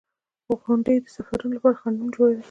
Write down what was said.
• غونډۍ د سفرونو لپاره خنډونه جوړوي.